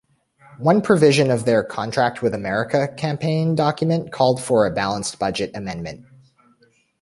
One provision of their "Contract with America" campaign document called for a balanced-budget amendment.